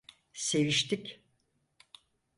Seviştik.